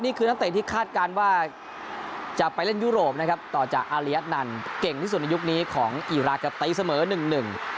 นี่คือนักเตะที่คาดการณ์ว่าจะไปเล่นยุโรปนะครับต่อจากอาริยะนันเก่งที่สุดในยุคนี้ของอีรักษ์ครับตีเสมอหนึ่งหนึ่ง